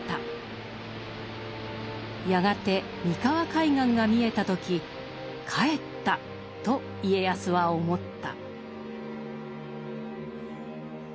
やがて三河海岸が見えた時「帰った」と家康は思った。